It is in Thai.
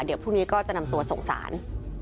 เดี๋ยวพรุ่งนี้ก็จะนำตัวส่งสาร